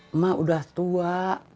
emak udah tua